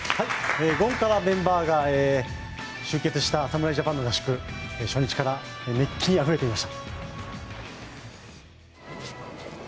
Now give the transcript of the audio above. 豪華なメンバーが集結した侍ジャパンの合宿初日から熱気にあふれていました。